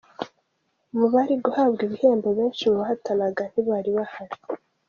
Mu bari guhabwa ibihembo, benshi mu bahatanaga ntibari bahari.